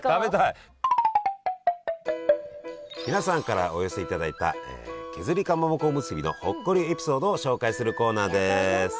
皆さんからお寄せいただいた削りかまぼこおむすびのほっこりエピソードを紹介するコーナーです！